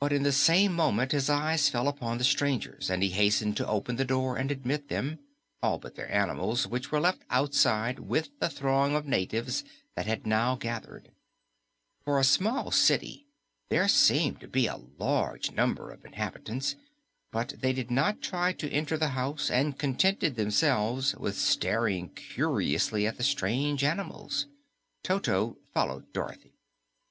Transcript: But in the same moment his eyes fell upon the strangers and he hastened to open the door and admit them all but the animals, which were left outside with the throng of natives that had now gathered. For a small city there seemed to be a large number of inhabitants, but they did not try to enter the house and contented themselves with staring curiously at the strange animals. Toto followed Dorothy.